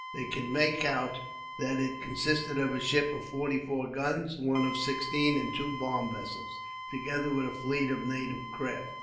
They could make out that it consisted of a ship of forty four guns, one of sixteen, and two bomb vessels, together with a fleet of native craft.